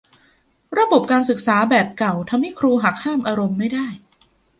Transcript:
ระบบการศึกษาแบบเก่าทำให้ครูหักห้ามอารมณ์ไม่ได้